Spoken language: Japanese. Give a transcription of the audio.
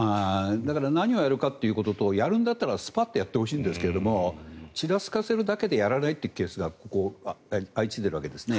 何をやるかということとやるんだったらスパッとやってほしいんですがちらつかせるだけでやらないというケースがここ最近は相次いでいるんですね。